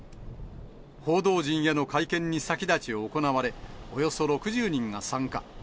報道陣への会見に先立ち行われ、およそ６０人が参加。